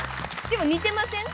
でも似てません？